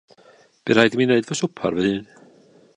Bu raid i mi wneud swper fy hun.